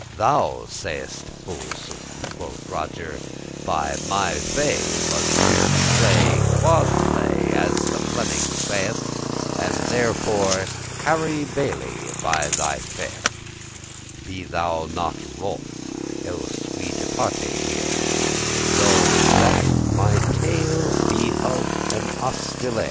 "Thou sayst full sooth," quoth Roger, "by my fay; But sooth play quad play,<2> as the Fleming saith, And therefore, Harry Bailly, by thy faith, Be thou not wroth, else we departe* here, *part company Though that my tale be of an hostelere.